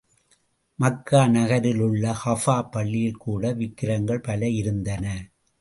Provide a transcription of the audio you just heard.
மக்கா நகரிலுள்ள கஃபா பள்ளியில் கூட விக்கிரங்கள் பல இருந்தன.